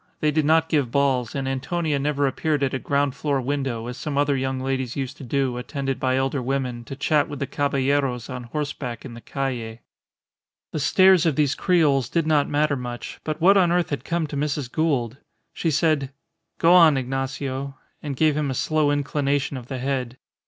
They did not give balls, and Antonia never appeared at a ground floor window, as some other young ladies used to do attended by elder women, to chat with the caballeros on horseback in the Calle. The stares of these creoles did not matter much; but what on earth had come to Mrs. Gould? She said, "Go on, Ignacio," and gave him a slow inclination of the head.